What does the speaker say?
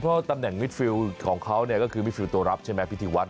เพราะตำแหน่งมิดฟิลของเขาเนี่ยก็คือมิดฟิลตัวรับใช่ไหมพิธีวัฒ